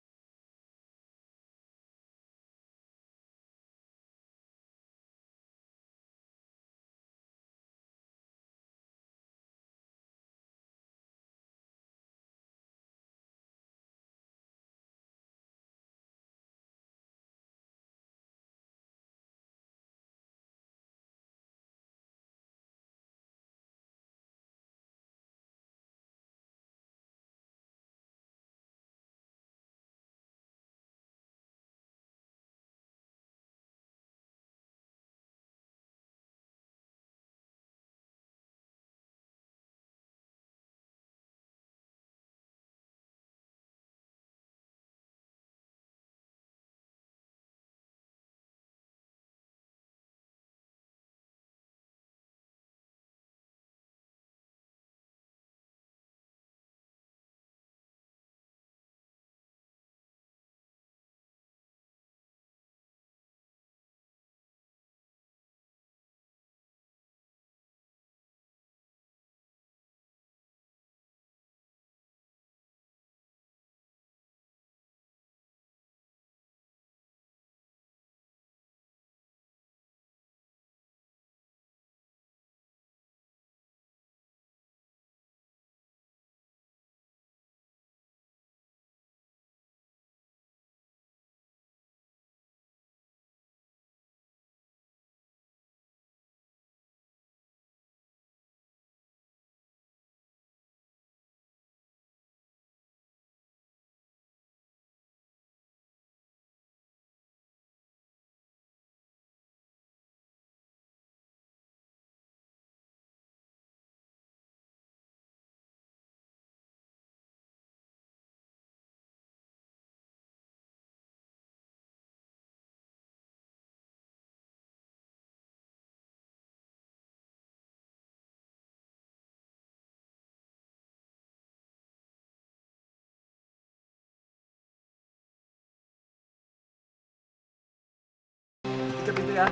aku harus cari cara gimana untuk melenyapkan mereka